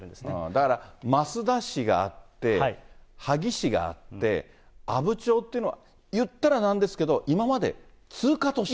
だから、益田市があって、萩市があって、阿武町というのは、言ったらなんですけど、今まで通過都市。